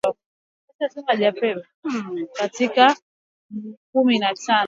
Kundi la dola ya kiislamu limedai kuhusika na shambulizi la jamhuri ya kidemokrasia lililouwa watu kumi na tano